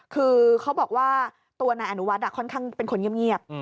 คือเขาบอกว่าตัวนายอนุวัฒน์ค่อนข้างเป็นคนเงียบ